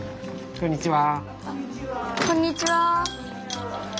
こんにちは。